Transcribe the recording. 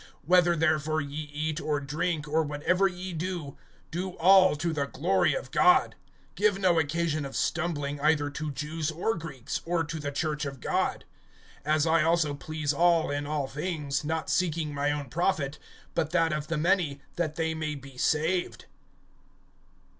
(31)Whether therefore ye eat, or drink, or whatever ye do, do all to the glory of God. (32)Give no occasion of stumbling, either to Jews or Greeks, or to the church of God; (33)as I also please all in all things, not seeking my own profit, but that of the many, that they may be saved.